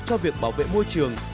cho việc bảo vệ môi trường